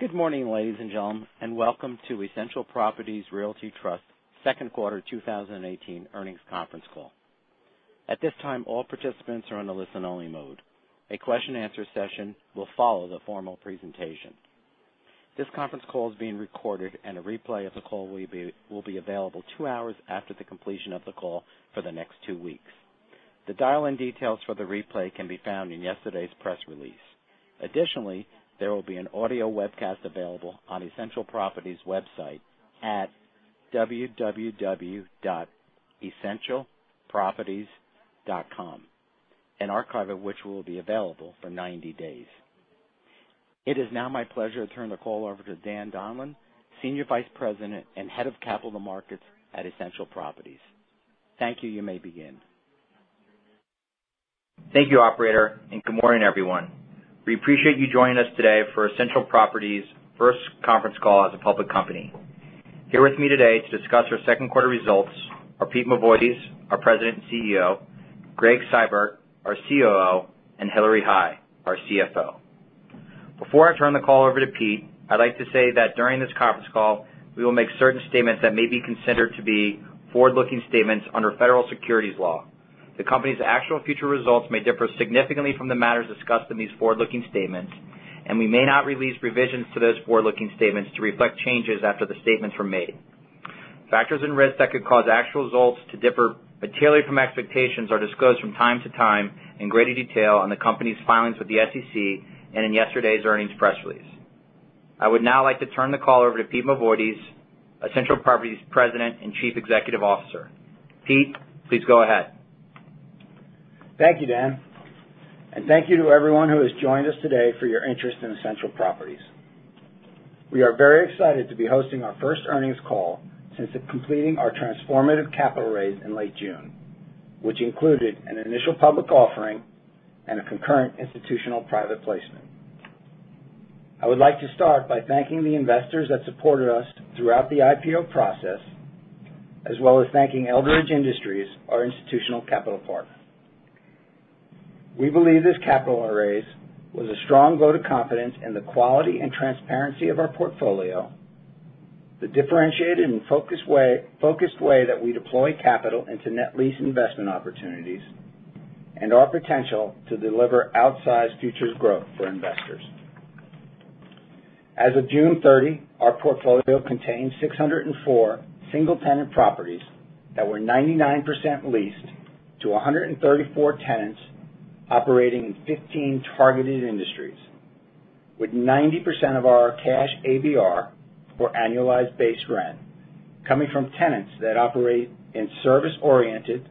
Good morning, ladies and gentlemen, and welcome to Essential Properties Realty Trust second quarter 2018 earnings conference call. At this time, all participants are on a listen-only mode. A question-answer session will follow the formal presentation. This conference call is being recorded, and a replay of the call will be available 2 hours after the completion of the call for the next 2 weeks. The dial-in details for the replay can be found in yesterday's press release. Additionally, there will be an audio webcast available on Essential Properties' website at www.essentialproperties.com, an archive of which will be available for 90 days. It is now my pleasure to turn the call over to Daniel Donlan, Senior Vice President and Head of Capital Markets at Essential Properties. Thank you. You may begin. Thank you, operator. Good morning, everyone. We appreciate you joining us today for Essential Properties' first conference call as a public company. Here with me today to discuss our second quarter results are Pete Mavoides, our President and CEO, Gregg Seibert, our COO, and Hillary Hai, our CFO. Before I turn the call over to Pete, I'd like to say that during this conference call, we will make certain statements that may be considered to be forward-looking statements under federal securities law. The company's actual future results may differ significantly from the matters discussed in these forward-looking statements, and we may not release revisions to those forward-looking statements to reflect changes after the statements were made. Factors and risks that could cause actual results to differ materially from expectations are disclosed from time to time in greater detail on the company's filings with the SEC and in yesterday's earnings press release. I would now like to turn the call over to Pete Mavoides, Essential Properties' President and Chief Executive Officer. Pete, please go ahead. Thank you, Dan. Thank you to everyone who has joined us today for your interest in Essential Properties. We are very excited to be hosting our first earnings call since completing our transformative capital raise in late June, which included an initial public offering and a concurrent institutional private placement. I would like to start by thanking the investors that supported us throughout the IPO process, as well as thanking Eldridge Industries, our institutional capital partner. We believe this capital raise was a strong vote of confidence in the quality and transparency of our portfolio, the differentiated and focused way that we deploy capital into net lease investment opportunities, and our potential to deliver outsized future growth for investors. As of June 30, our portfolio contained 604 single-tenant properties that were 99% leased to 134 tenants operating in 15 targeted industries, with 90% of our cash ABR, or annualized base rent, coming from tenants that operate in service-oriented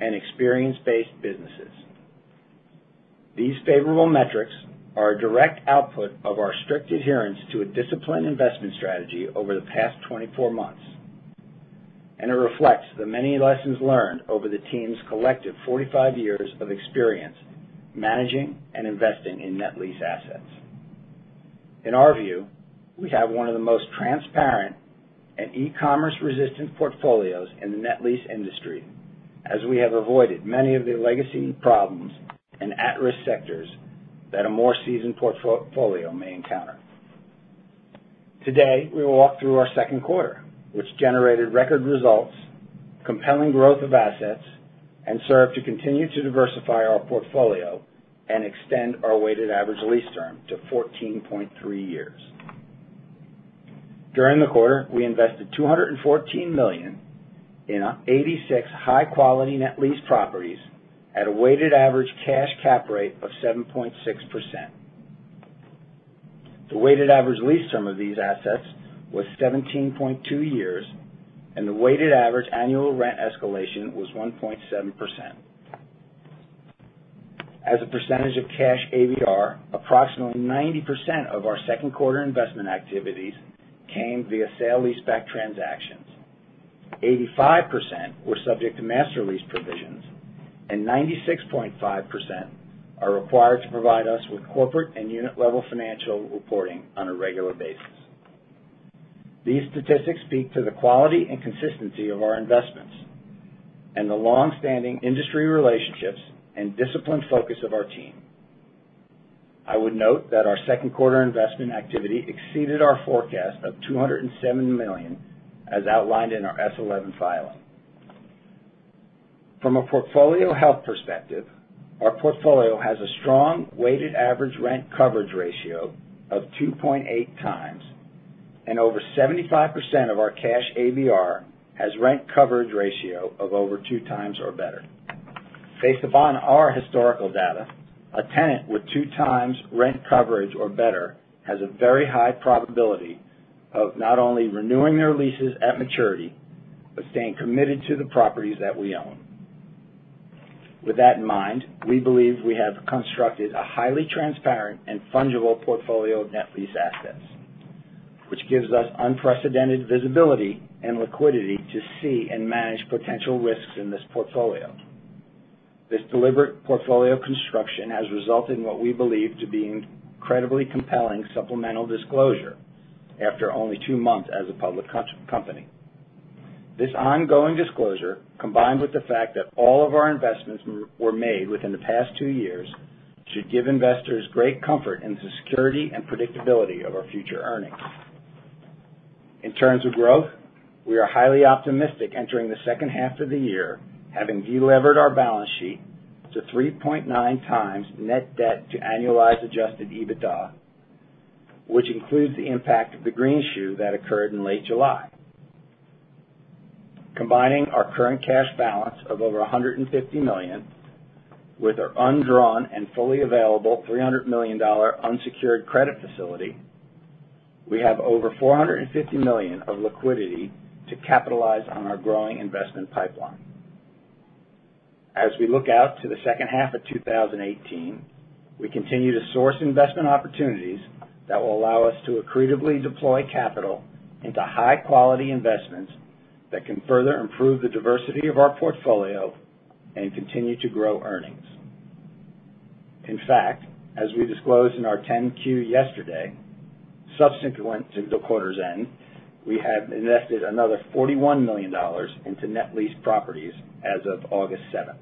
and experience-based businesses. These favorable metrics are a direct output of our strict adherence to a disciplined investment strategy over the past 24 months. It reflects the many lessons learned over the team's collective 45 years of experience managing and investing in net lease assets. In our view, we have one of the most transparent and e-commerce resistant portfolios in the net lease industry, as we have avoided many of the legacy problems and at-risk sectors that a more seasoned portfolio may encounter. Today, we will walk through our second quarter, which generated record results, compelling growth of assets, and served to continue to diversify our portfolio and extend our weighted average lease term to 14.3 years. During the quarter, we invested $214 million in 86 high-quality net lease properties at a weighted average cash cap rate of 7.6%. The weighted average lease term of these assets was 17.2 years, and the weighted average annual rent escalation was 1.7%. As a percentage of cash ABR, approximately 90% of our second quarter investment activities came via sale leaseback transactions. 85% were subject to master lease provisions, and 96.5% are required to provide us with corporate and unit-level financial reporting on a regular basis. These statistics speak to the quality and consistency of our investments and the long-standing industry relationships and disciplined focus of our team. I would note that our second quarter investment activity exceeded our forecast of $207 million, as outlined in our S-11 filing. From a portfolio health perspective, our portfolio has a strong weighted average rent coverage ratio of 2.8 times, and over 75% of our cash ABR has rent coverage ratio of over two times or better. Based upon our historical data, a tenant with two times rent coverage or better has a very high probability of not only renewing their leases at maturity but staying committed to the properties that we own. With that in mind, we believe we have constructed a highly transparent and fungible portfolio of net lease assets, which gives us unprecedented visibility and liquidity to see and manage potential risks in this portfolio. This deliberate portfolio construction has resulted in what we believe to be incredibly compelling supplemental disclosure after only two months as a public company. This ongoing disclosure, combined with the fact that all of our investments were made within the past two years, should give investors great comfort in the security and predictability of our future earnings. In terms of growth, we are highly optimistic entering the second half of the year, having delevered our balance sheet to 3.9 times net debt to annualized adjusted EBITDA, which includes the impact of the green shoe that occurred in late July. Combining our current cash balance of over $150 million with our undrawn and fully available $300 million unsecured credit facility, we have over $450 million of liquidity to capitalize on our growing investment pipeline. As we look out to the second half of 2018, we continue to source investment opportunities that will allow us to accretively deploy capital into high-quality investments that can further improve the diversity of our portfolio and continue to grow earnings. In fact, as we disclosed in our 10-Q yesterday, subsequent to the quarter's end, we have invested another $41 million into net lease properties as of August 7th.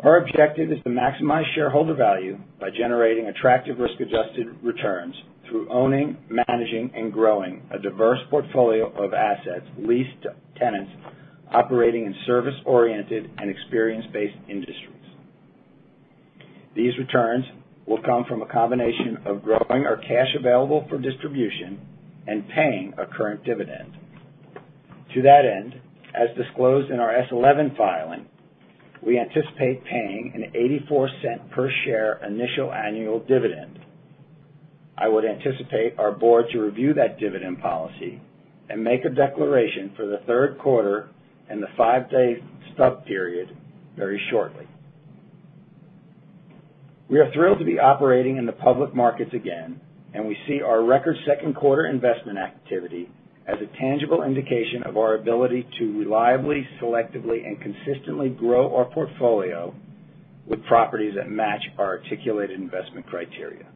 Our objective is to maximize shareholder value by generating attractive risk-adjusted returns through owning, managing, and growing a diverse portfolio of assets leased to tenants operating in service-oriented and experience-based industries. These returns will come from a combination of growing our cash available for distribution and paying a current dividend. To that end, as disclosed in our S-11 filing, we anticipate paying an $0.84 per share initial annual dividend. I would anticipate our board to review that dividend policy and make a declaration for the third quarter and the five-day stub period very shortly. We see our record second quarter investment activity as a tangible indication of our ability to reliably, selectively, and consistently grow our portfolio with properties that match our articulated investment criteria.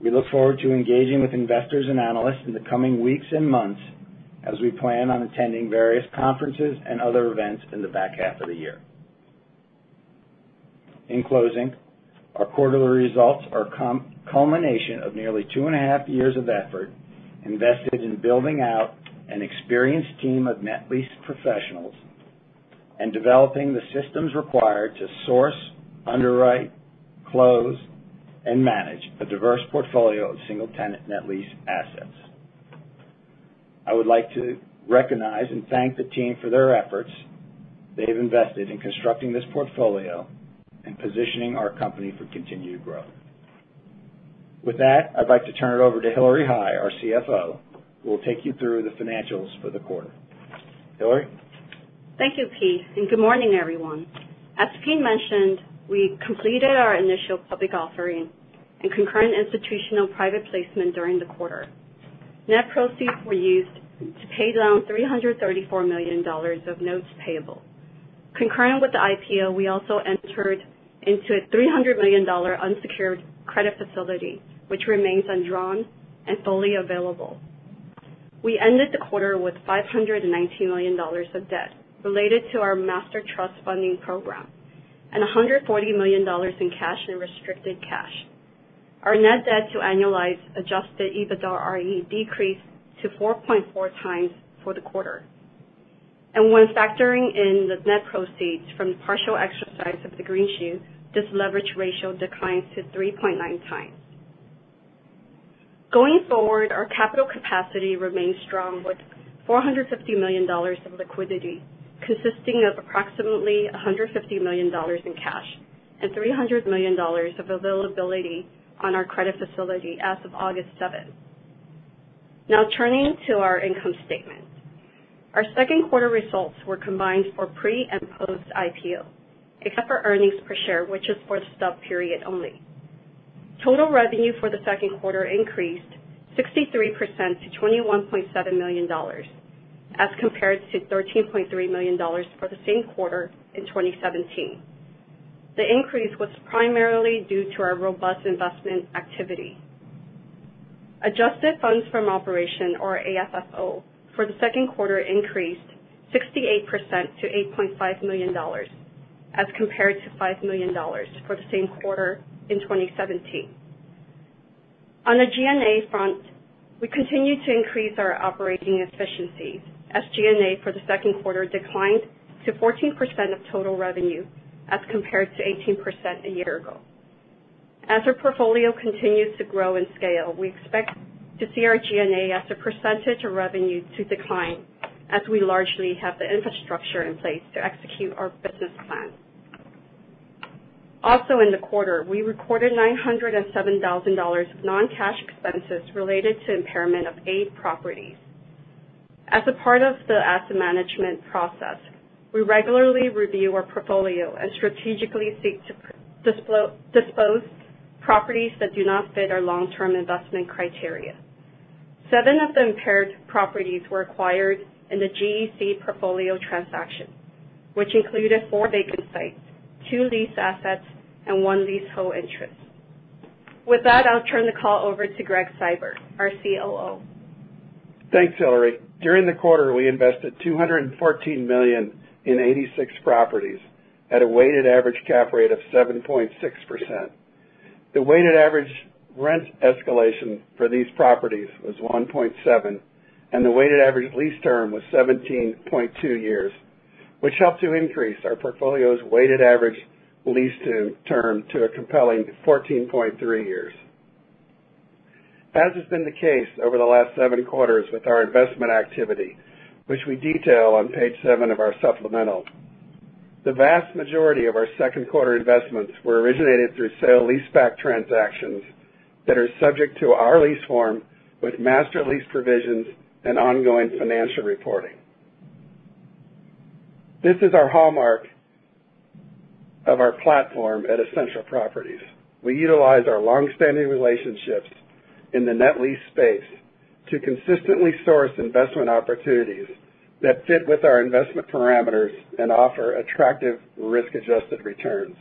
We look forward to engaging with investors and analysts in the coming weeks and months as we plan on attending various conferences and other events in the back half of the year. In closing, our quarterly results are a culmination of nearly two and a half years of effort invested in building out an experienced team of net lease professionals and developing the systems required to source, underwrite, close, and manage a diverse portfolio of single-tenant net lease assets. I would like to recognize and thank the team for their efforts they have invested in constructing this portfolio and positioning our company for continued growth. With that, I'd like to turn it over to Hillary Hai, our CFO, who will take you through the financials for the quarter. Hillary? Thank you, Pete, and good morning, everyone. As Pete mentioned, we completed our initial public offering and concurrent institutional private placement during the quarter. Net proceeds were used to pay down $334 million of notes payable. Concurrent with the IPO, we also entered into a $300 million unsecured credit facility, which remains undrawn and fully available. We ended the quarter with $519 million of debt related to our master trust funding program and $140 million in cash and restricted cash. Our net debt to annualized adjusted EBITDARE decreased to 4.4 times for the quarter. When factoring in the net proceeds from the partial exercise of the green shoe, this leverage ratio declines to 3.9 times. Going forward, our capital capacity remains strong with $450 million of liquidity, consisting of approximately $150 million in cash and $300 million of availability on our credit facility as of August 7th. Turning to our income statement. Our second quarter results were combined for pre- and post-IPO, except for earnings per share, which is for the stub period only. Total revenue for the second quarter increased 63% to $21.7 million, as compared to $13.3 million for the same quarter in 2017. The increase was primarily due to our robust investment activity. Adjusted funds from operation, or AFFO, for the second quarter increased 68% to $8.5 million, as compared to $5 million for the same quarter in 2017. On the G&A front, we continue to increase our operating efficiencies. SG&A for the second quarter declined to 14% of total revenue, as compared to 18% a year ago. As our portfolio continues to grow in scale, we expect to see our G&A as a percentage of revenue to decline as we largely have the infrastructure in place to execute our business plan. Also in the quarter, we recorded $907,000 of non-cash expenses related to impairment of eight properties. As a part of the asset management process, we regularly review our portfolio and strategically seek to dispose properties that do not fit our long-term investment criteria. Seven of the impaired properties were acquired in the GEC portfolio transaction, which included four vacant sites, two lease assets, and one leasehold interest. With that, I'll turn the call over to Gregg Seibert, our COO. Thanks, Hillary. During the quarter, we invested $214 million in 86 properties at a weighted average cap rate of 7.6%. The weighted average rent escalation for these properties was 1.7%, and the weighted average lease term was 17.2 years, which helped to increase our portfolio's weighted average lease term to a compelling 14.3 years. As has been the case over the last seven quarters with our investment activity, which we detail on page seven of our supplemental. The vast majority of our second quarter investments were originated through sale-leaseback transactions that are subject to our lease form with master lease provisions and ongoing financial reporting. This is our hallmark of our platform at Essential Properties. We utilize our long-standing relationships in the net lease space to consistently source investment opportunities that fit with our investment parameters and offer attractive risk-adjusted returns.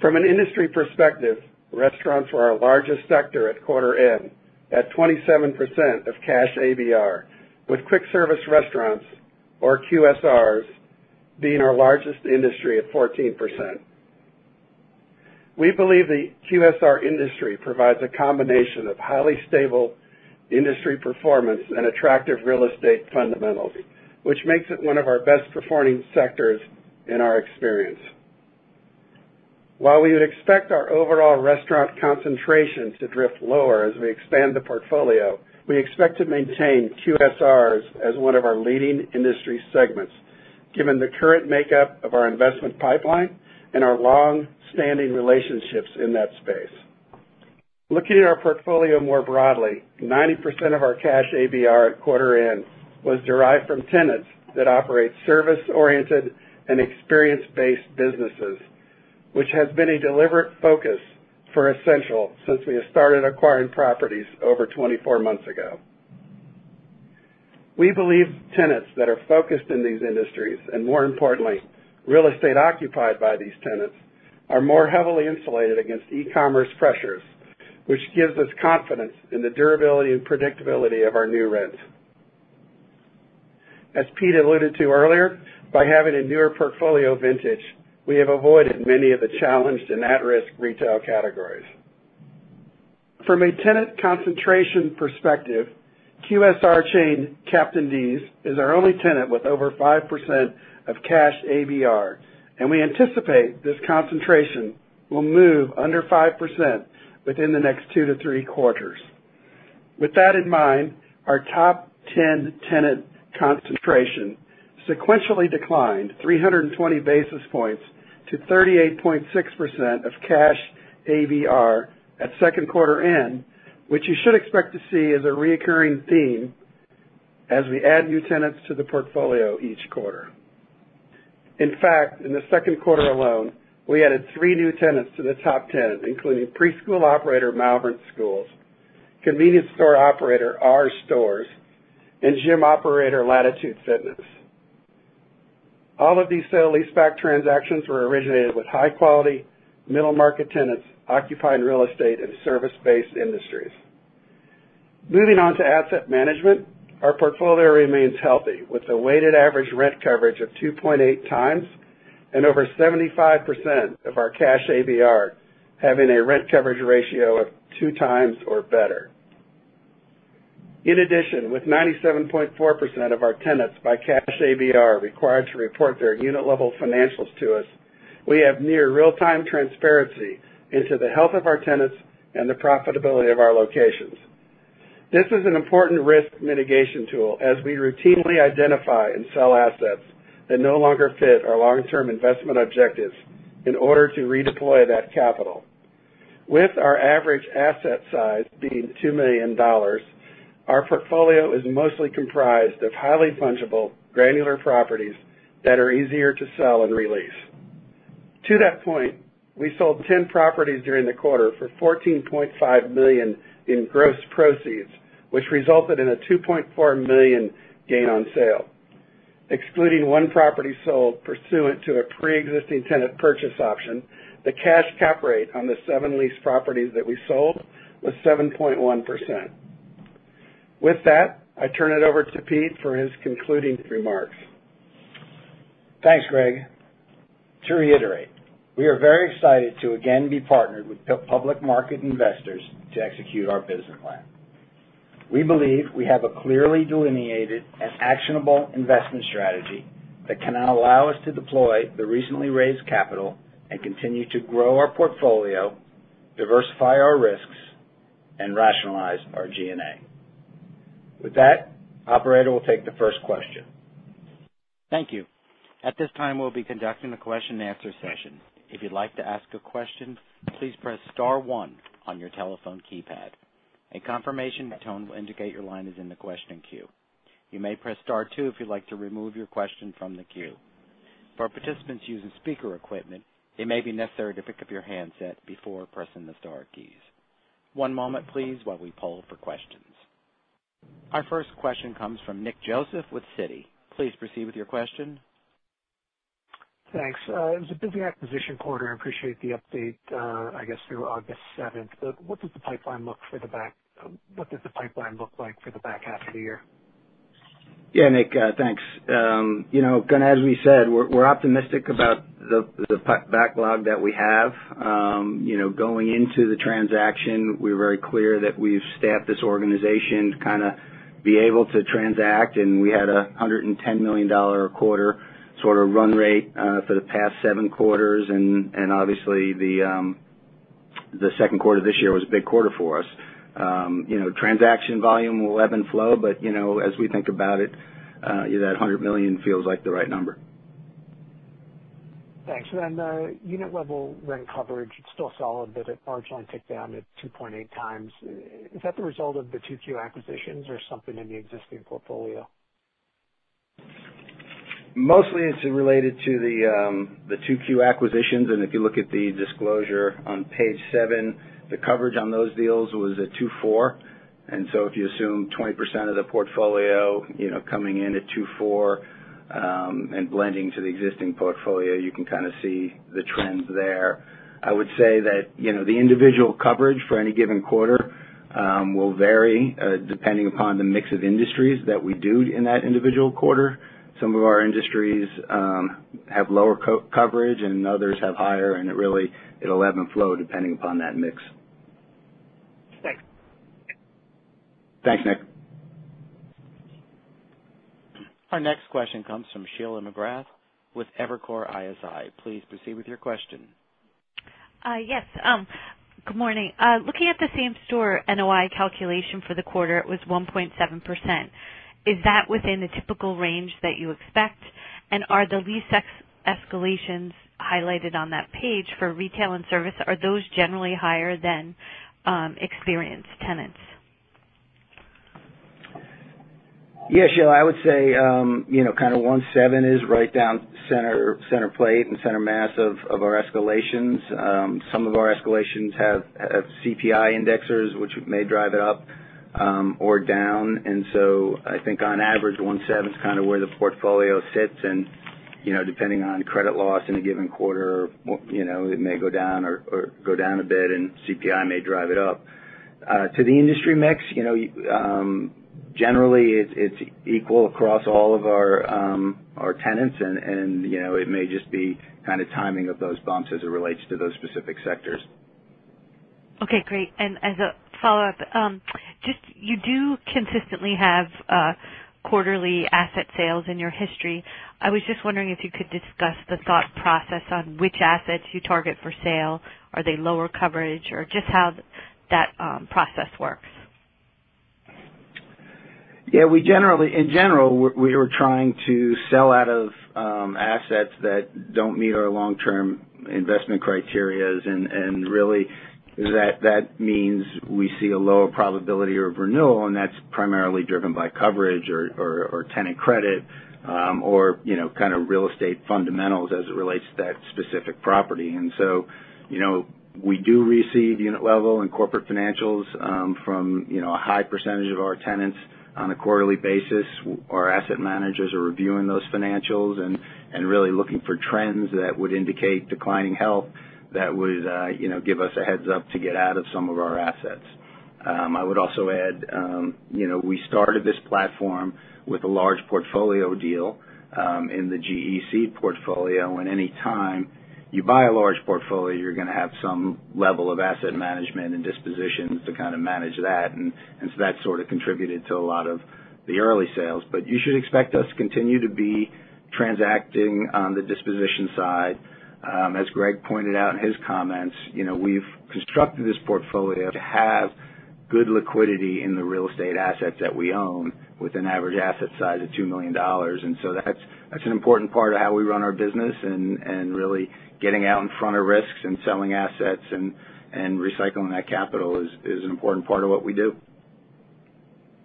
From an industry perspective, restaurants were our largest sector at quarter end at 27% of cash ABR, with quick service restaurants, or QSRs, being our largest industry at 14%. We believe the QSR industry provides a combination of highly stable industry performance and attractive real estate fundamentals, which makes it one of our best-performing sectors in our experience. While we would expect our overall restaurant concentration to drift lower as we expand the portfolio, we expect to maintain QSRs as one of our leading industry segments, given the current makeup of our investment pipeline and our long-standing relationships in that space. Looking at our portfolio more broadly, 90% of our cash ABR at quarter end was derived from tenants that operate service-oriented and experience-based businesses, which has been a deliberate focus for Essential since we have started acquiring properties over 24 months ago. We believe tenants that are focused in these industries, and more importantly, real estate occupied by these tenants, are more heavily insulated against e-commerce pressures, which gives us confidence in the durability and predictability of our new rents. As Pete alluded to earlier, by having a newer portfolio vintage, we have avoided many of the challenged and at-risk retail categories. From a tenant concentration perspective, QSR chain Captain D's is our only tenant with over 5% of cash ABR, and we anticipate this concentration will move under 5% within the next two to three quarters. With that in mind, our top 10 tenant concentration sequentially declined 320 basis points to 38.6% of cash ABR at second quarter end, which you should expect to see as a reoccurring theme as we add new tenants to the portfolio each quarter. In fact, in the second quarter alone, we added three new tenants to the top 10, including preschool operator The Malvern School, convenience store operator R-Store, and gym operator Latitude Fitness. All of these sale-leaseback transactions were originated with high-quality middle-market tenants occupying real estate in service-based industries. Moving on to asset management, our portfolio remains healthy, with a weighted average rent coverage of 2.8 times and over 75% of our cash ABR having a rent coverage ratio of two times or better. In addition, with 97.4% of our tenants by cash ABR required to report their unit-level financials to us, we have near real-time transparency into the health of our tenants and the profitability of our locations. This is an important risk mitigation tool as we routinely identify and sell assets that no longer fit our long-term investment objectives in order to redeploy that capital. With our average asset size being $2 million, our portfolio is mostly comprised of highly fungible, granular properties that are easier to sell and re-lease. To that point, we sold 10 properties during the quarter for $14.5 million in gross proceeds, which resulted in a $2.4 million gain on sale. Excluding one property sold pursuant to a pre-existing tenant purchase option, the cash cap rate on the seven leased properties that we sold was 7.1%. With that, I turn it over to Pete for his concluding remarks. Thanks, Gregg. To reiterate, we are very excited to again be partnered with public market investors to execute our business plan. We believe we have a clearly delineated and actionable investment strategy that can now allow us to deploy the recently raised capital and continue to grow our portfolio, diversify our risks, and rationalize our G&A. With that, operator, we'll take the first question. Thank you. At this time, we'll be conducting a question and answer session. If you'd like to ask a question, please press star one on your telephone keypad. A confirmation tone will indicate your line is in the questioning queue. You may press star two if you'd like to remove your question from the queue. For participants using speaker equipment, it may be necessary to pick up your handset before pressing the star keys. One moment, please, while we poll for questions. Our first question comes from Nick Joseph with Citi. Please proceed with your question. Thanks. It was a busy acquisition quarter. I appreciate the update, I guess, through August 7th. What does the pipeline look like for the back half of the year? Yeah, Nick, thanks. Again, as we said, we're optimistic about the backlog that we have. Going into the transaction, we were very clear that we've staffed this organization to kind of be able to transact. We had a $110 million a quarter sort of run rate for the past seven quarters. Obviously, the second quarter of this year was a big quarter for us. Transaction volume will ebb and flow, as we think about it, that $100 million feels like the right number. Thanks. Then the unit level rent coverage, it's still solid, but it marginally ticked down to 2.8 times. Is that the result of the 2Q acquisitions or something in the existing portfolio? Mostly it's related to the 2Q acquisitions, if you look at the disclosure on page seven, the coverage on those deals was at two four. So if you assume 20% of the portfolio coming in at two four and blending to the existing portfolio, you can kind of see the trends there. I would say that the individual coverage for any given quarter will vary depending upon the mix of industries that we do in that individual quarter. Some of our industries have lower coverage and others have higher, and it'll ebb and flow depending upon that mix. Thanks. Thanks, Nick. Our next question comes from Sheila McGrath with Evercore ISI. Please proceed with your question. Yes. Good morning. Looking at the same-store NOI calculation for the quarter, it was 1.7%. Is that within the typical range that you expect, and are the lease escalations highlighted on that page for retail and service, are those generally higher than experienced tenants? Yeah, Sheila, I would say 1.7 is right down center plate and center mass of our escalations. Some of our escalations have CPI indexers, which may drive it up or down. I think on average, 1.7 is kind of where the portfolio sits, and depending on credit loss in a given quarter, it may go down a bit, and CPI may drive it up. To the industry mix, generally it's equal across all of our tenants and it may just be kind of timing of those bumps as it relates to those specific sectors. Okay, great. As a follow-up, you do consistently have quarterly asset sales in your history. I was just wondering if you could discuss the thought process on which assets you target for sale. Are they lower coverage or just how that process works? Yeah. In general, we're trying to sell out of assets that don't meet our long-term investment criterias, and really, that means we see a lower probability of renewal, and that's primarily driven by coverage or tenant credit, or kind of real estate fundamentals as it relates to that specific property. We do receive unit-level and corporate financials from a high percentage of our tenants on a quarterly basis. Our asset managers are reviewing those financials and really looking for trends that would indicate declining health that would give us a heads-up to get out of some of our assets. I would also add, we started this platform with a large portfolio deal in the GEC portfolio, and any time you buy a large portfolio, you're going to have some level of asset management and dispositions to kind of manage that. That sort of contributed to a lot of the early sales. You should expect us to continue to be transacting on the disposition side. As Gregg pointed out in his comments, we've constructed this portfolio to have good liquidity in the real estate assets that we own with an average asset size of $2 million. That's an important part of how we run our business and really getting out in front of risks and selling assets and recycling that capital is an important part of what we do.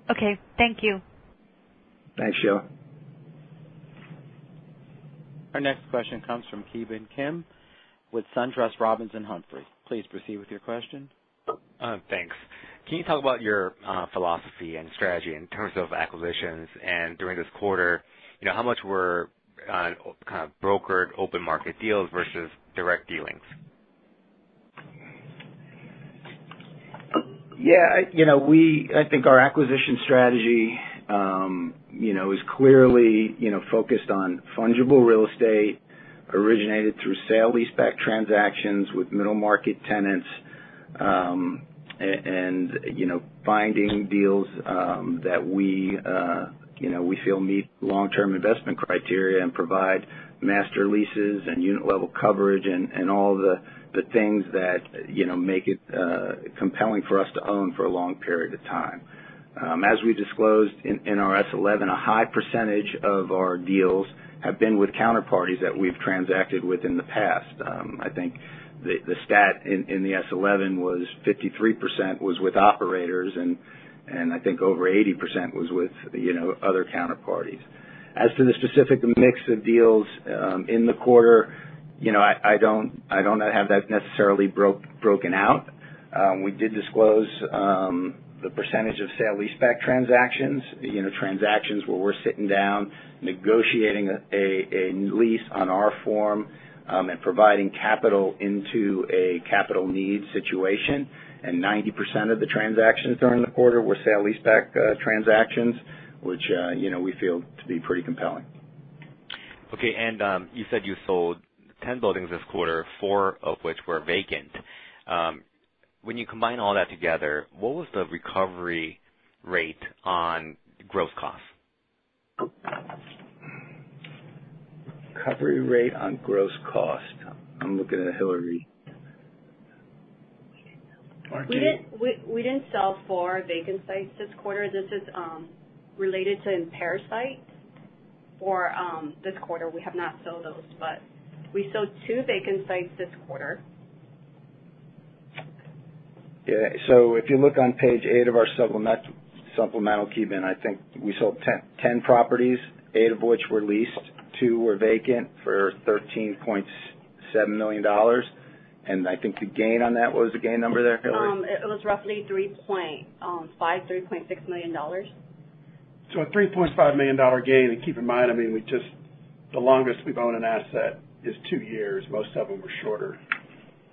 Okay. Thank you. Thanks, Sheila. Our next question comes from Ki Bin Kim with SunTrust Robinson Humphrey. Please proceed with your question. Thanks. Can you talk about your philosophy and strategy in terms of acquisitions? During this quarter, how much were kind of brokered open market deals versus direct dealings? Yeah. I think our acquisition strategy is clearly focused on fungible real estate, originated through sale-leaseback transactions with middle-market tenants, and finding deals that we feel meet long-term investment criteria and provide master leases and unit-level coverage and all the things that make it compelling for us to own for a long period of time. As we disclosed in our S11, a high percentage of our deals have been with counterparties that we've transacted with in the past. I think the stat in the S11 was 53% was with operators and I think over 80% was with other counterparties. As to the specific mix of deals in the quarter I don't have that necessarily broken out. We did disclose the percentage of sale-leaseback transactions where we're sitting down negotiating a lease on our form, and providing capital into a capital need situation. 90% of the transactions during the quarter were sale-leaseback transactions, which we feel to be pretty compelling. Okay. You said you sold 10 buildings this quarter, four of which were vacant. When you combine all that together, what was the recovery rate on gross costs? Recovery rate on gross cost. I'm looking at Hillary. We didn't sell four vacant sites this quarter. This is related to impair sites for this quarter. We have not sold those, we sold two vacant sites this quarter. Yeah. If you look on page eight of our supplemental, Ki Bin, I think we sold 10 properties, eight of which were leased. Two were vacant for $13.7 million. I think the gain on that, what was the gain number there, Hillary? It was roughly 3.5, $3.6 million. A $3.5 million gain. Keep in mind, the longest we've owned an asset is two years. Most of them are shorter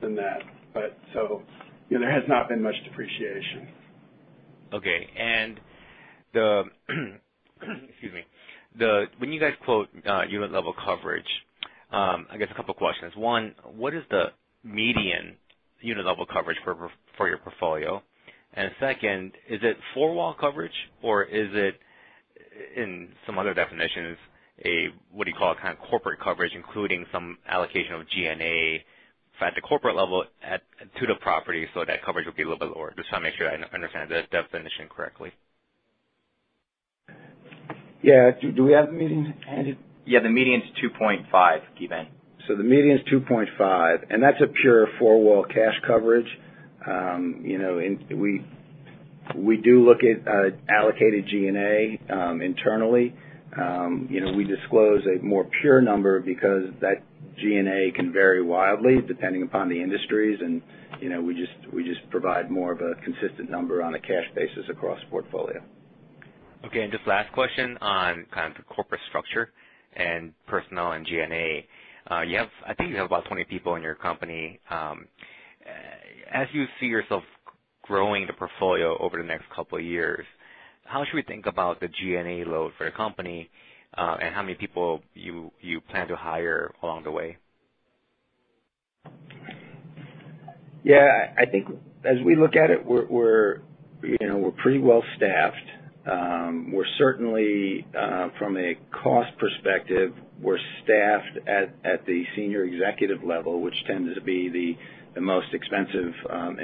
than that. There has not been much depreciation. Okay. When you guys quote unit level coverage, I guess a couple questions. One, what is the median unit level coverage for your portfolio? Second, is it four-wall coverage, or is it, in some other definitions, a what do you call, kind of corporate coverage, including some allocation of G&A at the corporate level to the property, so that coverage will be a little bit lower? Just want to make sure I understand the definition correctly. Yeah. Do we have the median, Andy? Yeah, the median's 2.5, Ki Bin. The median's 2.5, and that's a pure four-wall cash coverage. We do look at allocated G&A internally. We disclose a more pure number because that G&A can vary wildly depending upon the industries, and we just provide more of a consistent number on a cash basis across portfolio. Okay. Just last question on kind of the corporate structure and personnel and G&A. I think you have about 20 people in your company. As you see yourself growing the portfolio over the next couple of years, how should we think about the G&A load for a company, and how many people you plan to hire along the way? Yeah, I think as we look at it, we're pretty well-staffed. From a cost perspective, we're staffed at the senior executive level, which tend to be the most expensive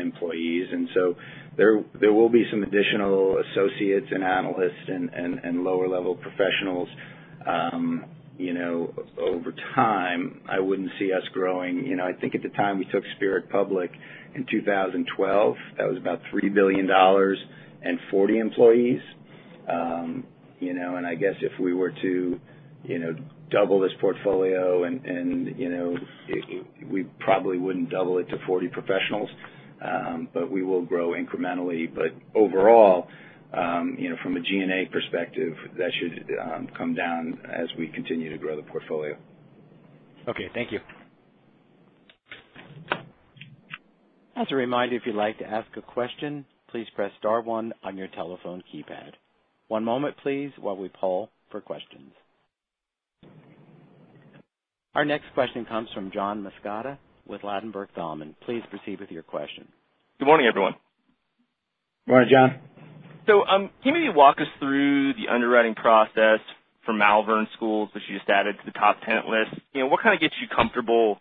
employees. So there will be some additional associates and analysts and lower-level professionals. Over time, I wouldn't see us growing. I think at the time we took Spirit public in 2012, that was about $3 billion and 40 employees. I guess if we were to double this portfolio, we probably wouldn't double it to 40 professionals. We will grow incrementally. Overall, from a G&A perspective, that should come down as we continue to grow the portfolio. Okay. Thank you. As a reminder, if you'd like to ask a question, please press star one on your telephone keypad. One moment, please, while we poll for questions. Our next question comes from John Massocca with Ladenburg Thalmann. Please proceed with your question. Good morning, everyone. Good morning, John. Can you maybe walk us through the underwriting process for Malvern Schools that you just added to the top tenant list? What kind of gets you comfortable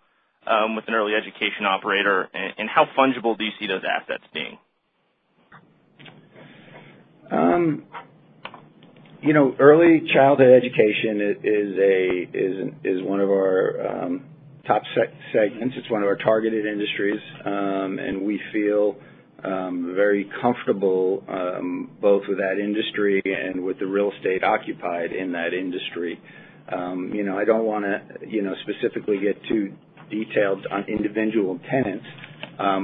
with an early education operator, and how fungible do you see those assets being? Early childhood education is one of our top segments. It's one of our targeted industries. We feel very comfortable both with that industry and with the real estate occupied in that industry. I don't want to specifically get too detailed on individual tenants,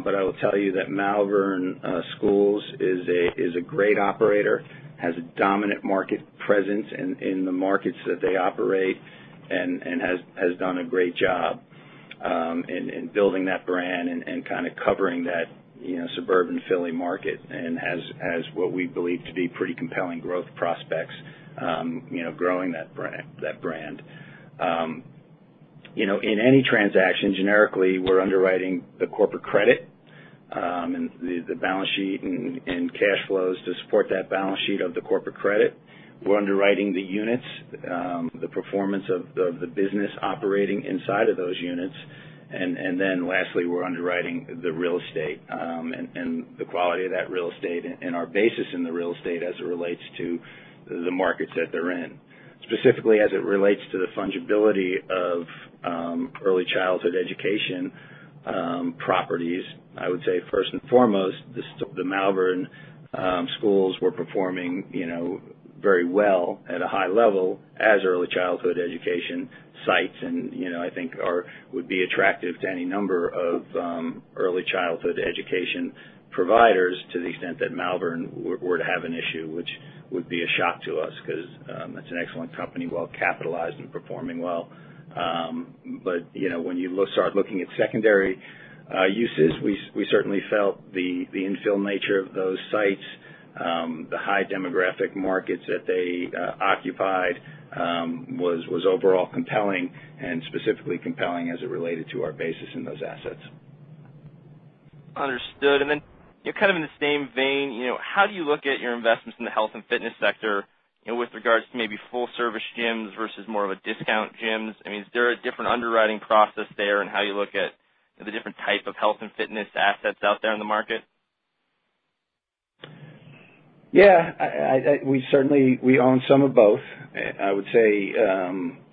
but I will tell you that Malvern Schools is a great operator, has a dominant market presence in the markets that they operate, and has done a great job in building that brand and kind of covering that suburban Philly market, and has what we believe to be pretty compelling growth prospects growing that brand. In any transaction, generically, we're underwriting the corporate credit, and the balance sheet and cash flows to support that balance sheet of the corporate credit. We're underwriting the units, the performance of the business operating inside of those units. Lastly, we're underwriting the real estate, and the quality of that real estate and our basis in the real estate as it relates to the markets that they're in. Specifically, as it relates to the fungibility of early childhood education properties. I would say first and foremost, the Malvern schools were performing very well at a high level as early childhood education sites, and I think would be attractive to any number of early childhood education providers to the extent that Malvern were to have an issue, which would be a shock to us, because that's an excellent company, well capitalized and performing well. When you start looking at secondary uses, we certainly felt the infill nature of those sites, the high demographic markets that they occupied was overall compelling and specifically compelling as it related to our basis in those assets. Understood. Kind of in the same vein, how do you look at your investments in the health and fitness sector with regards to maybe full-service gyms versus more of a discount gyms? Is there a different underwriting process there in how you look at the different type of health and fitness assets out there in the market? Yeah. We own some of both. I would say,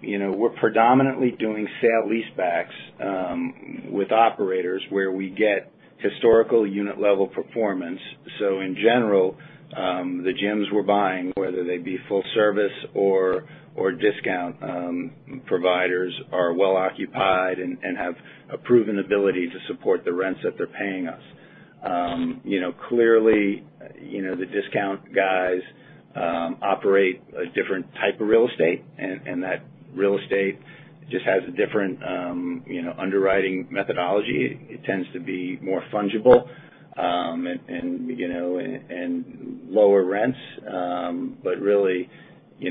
we're predominantly doing sale-leasebacks, with operators where we get historical unit-level performance. In general, the gyms we're buying, whether they be full service or discount providers, are well occupied and have a proven ability to support the rents that they're paying us. Clearly, the discount guys operate a different type of real estate, and that real estate just has a different underwriting methodology. It tends to be more fungible, and lower rents. Really,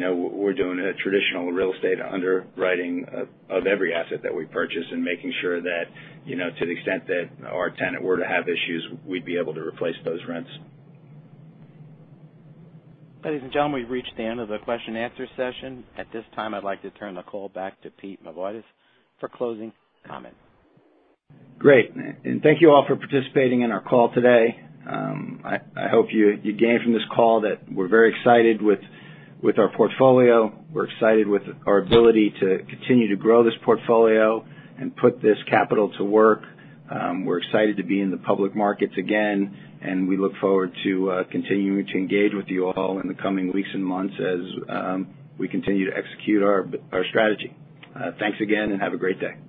we're doing a traditional real estate underwriting of every asset that we purchase and making sure that, to the extent that our tenant were to have issues, we'd be able to replace those rents. Ladies and gentlemen, we've reached the end of the question and answer session. At this time, I'd like to turn the call back to Pete Mavoides for closing comments. Great. Thank you all for participating in our call today. I hope you gained from this call that we're very excited with our portfolio. We're excited with our ability to continue to grow this portfolio and put this capital to work. We're excited to be in the public markets again, and we look forward to continuing to engage with you all in the coming weeks and months as we continue to execute our strategy. Thanks again, and have a great day.